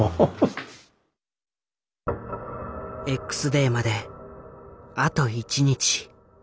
Ｘデーまであと１日。